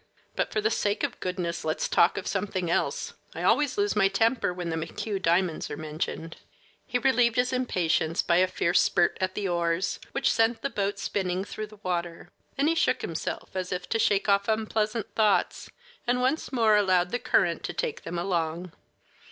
But, for the sake of goodness, let us talk of something else. I always lose my temper when the McHugh diamonds are mentioned." He relieved his impatience by a fierce spurt at the oars, which sent the boat spinning through the water; then he shook himself as if to shake off unpleasant thoughts, and once more allowed the current to take them along.